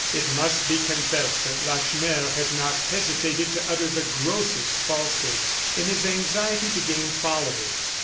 it must be confessed that Lacheneur had not hesitated to utter the grossest falsehoods in his anxiety to gain followers.